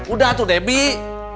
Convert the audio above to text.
udah tuh debbie